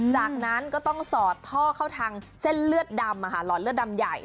จากนั้นก็ต้องสอดท่อเข้าทางเส้นเลือดดำหลอดเลือดดำใหญ่